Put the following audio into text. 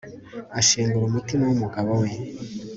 ashengura umutima w'umugabo we